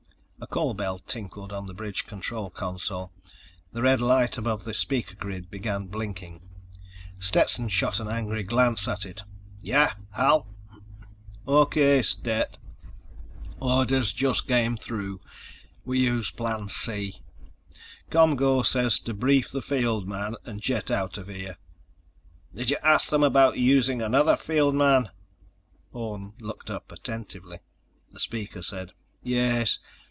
A call bell tinkled on the bridge control console. The red light above the speaker grid began blinking. Stetson shot an angry glance at it. "Yeah, Hal?" "O.K., Stet. Orders just came through. We use Plan C. ComGO says to brief the field man, and jet out of here." "Did you ask them about using another field man?" Orne looked up attentively. The speaker said: "Yes.